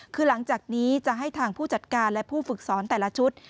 คือหลังจากนี้จะให้ทางผู้จัดการและผู้ฝึกสอนแต่ละชุด